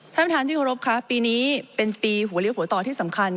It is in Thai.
ท่านประธานที่เคารพค่ะปีนี้เป็นปีหัวเลี้ยหัวต่อที่สำคัญ